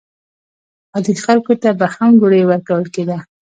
عادي خلکو ته به هم ډوډۍ ورکول کېده.